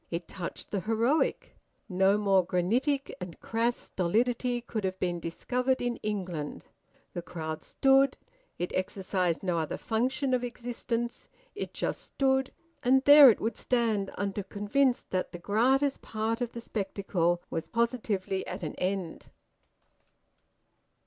It touched the heroic. No more granitic and crass stolidity could have been discovered in England. The crowd stood; it exercised no other function of existence. It just stood, and there it would stand until convinced that the gratis part of the spectacle was positively at an end.